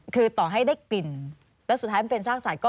คือต่อให้ได้กลิ่นแล้วสุดท้ายมันเป็นซากสัตว์